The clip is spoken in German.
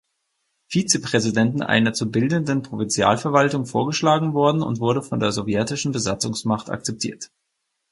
Vizepräsidenten einer zu bildenden Provinzialverwaltung vorgeschlagen worden und wurde von der sowjetischen Besatzungsmacht akzeptiert.